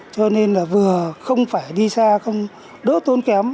cho nên là vừa không phải đi xa đỡ tốn kém